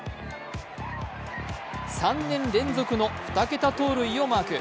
３年連続の２桁盗塁をマーク。